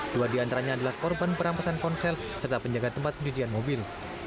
dua diantaranya adalah korban perampasan ponsel serta penjaga tempat pencucian mobil